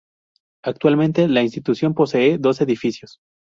Actualmente la institución posee dos edificios.